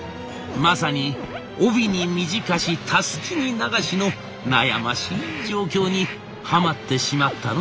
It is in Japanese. まさに「帯に短したすきに長し」の悩ましい状況にはまってしまったのでございます。